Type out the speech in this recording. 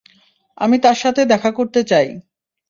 আমি তার সাথে দেখা করতে চাই!